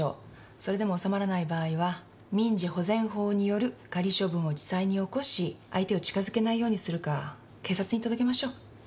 それでも収まらない場合は民事保全法による仮処分を地裁に起こし相手を近づけないようにするか警察に届けましょう。